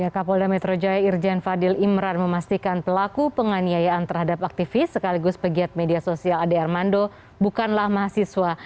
kapolda metro jaya irjen fadil imran memastikan pelaku penganiayaan terhadap aktivis sekaligus pegiat media sosial ade armando bukanlah mahasiswa